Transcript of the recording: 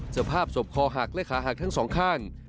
สภาพศพคอหักและขาหักทั้งสองข้าง